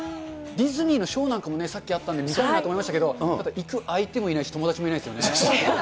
ディズニーのショーなんかもさっきあったんで、見たいなと思いましたけど、行く相手もいないし友達もいないですよね。